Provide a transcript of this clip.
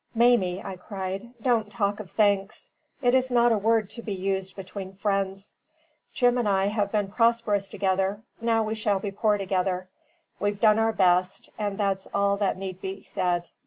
"Mamie," I cried, "don't talk of thanks; it is not a word to be used between friends. Jim and I have been prosperous together; now we shall be poor together. We've done our best, and that's all that need be said.